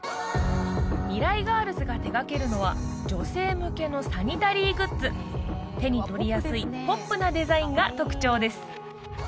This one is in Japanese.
ＭＩＲＡＩＧＩＲＬＳが手がけるのは女性向けのサニタリーグッズ手に取りやすいポップなデザインが特徴です